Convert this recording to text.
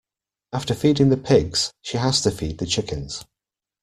After feeding the pigs, she has to feed the chickens.